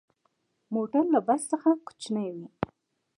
موټر له بس کوچنی وي.